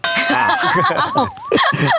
อะไรนะ